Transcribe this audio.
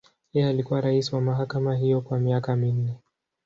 Yeye alikuwa rais wa mahakama hiyo kwa miaka minne.